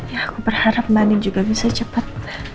ya aku berharap mbak ani juga bisa cepat